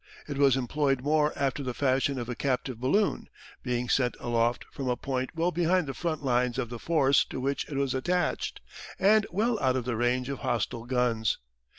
It was employed more after the fashion of a captive balloon, being sent aloft from a point well behind the front lines of the force to which it was attached, and well out of the range of hostile guns.